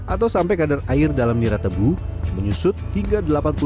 atau sampai kadar air dalam nirah tebu menyusut hingga delapan puluh